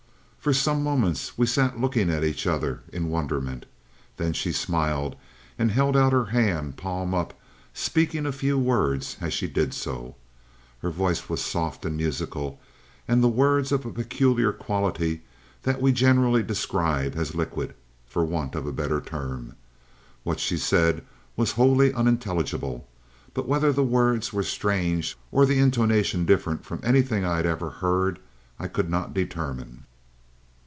"For some moments we sat looking at each other in wonderment. Then she smiled and held out her hand, palm up, speaking a few words as she did so. Her voice was soft and musical, and the words of a peculiar quality that we generally describe as liquid, for want of a better term. What she said was wholly unintelligible, but whether the words were strange or the intonation different from anything I had ever heard I could not determine.